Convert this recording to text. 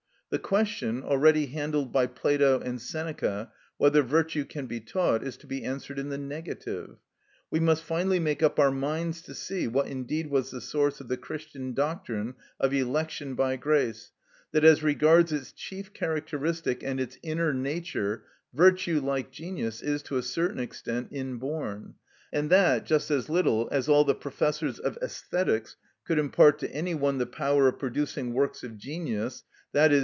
The question, already handled by Plato and Seneca, whether virtue can be taught, is to be answered in the negative. We must finally make up our minds to see, what indeed was the source of the Christian doctrine of election by grace, that as regards its chief characteristic and its inner nature, virtue, like genius, is to a certain extent inborn; and that just as little as all the professors of æsthetics could impart to any one the power of producing works of genius, _i.e.